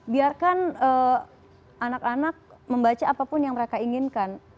biarkan anak anak membaca apapun yang mereka inginkan